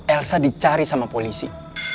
elsa dicari sama polisi